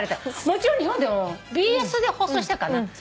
もちろん日本でもＢＳで放送してるかな。